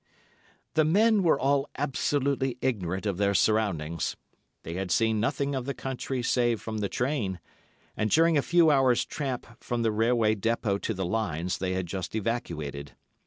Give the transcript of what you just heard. The men were all absolutely ignorant of their surroundings. They had seen nothing of the country save from the train, and during a few hours' tramp from the railway depot to the lines they had just evacuated.